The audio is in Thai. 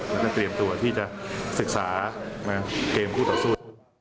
แล้วก็เตรียมตัวที่จะศึกษาเกมคู่ต่อสู้